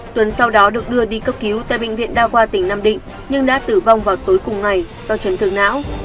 tuấn sau đó được đưa đi cấp cứu tại bệnh viện đa khoa tỉnh nam định nhưng đã tử vong vào tối cùng ngày do chấn thương não